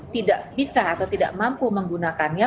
tidak bisa atau tidak mampu menggunakannya